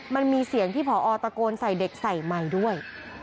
มันมีเสียงที่ผอตะโกนใส่เด็กใส่ไมค์ด้วย